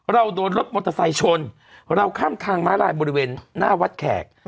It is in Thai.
เราโดนรถมอเตอร์ไซค์ชนเราข้ามทางม้าลายบริเวณหน้าวัดแขก